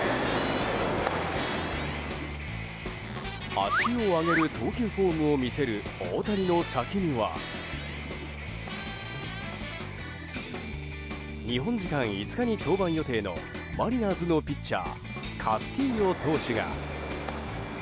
足を上げる投球フォームを見せる大谷の先には日本時間５日に登板予定のマリナーズのピッチャーカスティーヨ投手が。